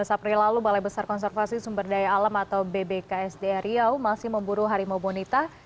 tujuh belas april lalu balai besar konservasi sumber daya alam atau bbksda riau masih memburu harimau bonita